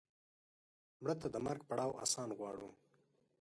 مړه ته د مرګ پړاو آسان غواړو